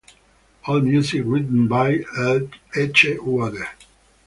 All music written by Edgewater.